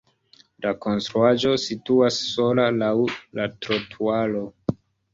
La konstruaĵo situas sola laŭ la trotuaro.